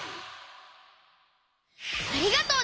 ありがとう！